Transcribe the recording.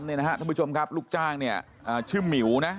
นะฮะทุกผู้ชมครับลูกจ้างเนี่ยชื่อมิวนะ